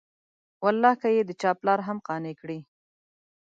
والله که یې د چا پلار هم قانع کړي.